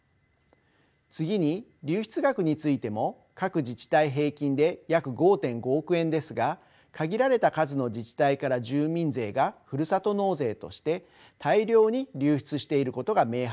次に流出額についても各自治体平均で約５．５億円ですが限られた数の自治体から住民税がふるさと納税として大量に流出していることが明白です。